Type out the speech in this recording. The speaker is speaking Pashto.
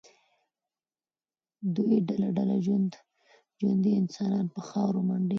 دوی ډله ډله ژوندي انسانان په خاورو منډي.